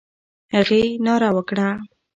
هغې ناره وکړه.